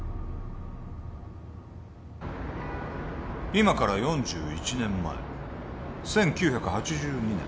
今から４１年前１９８２年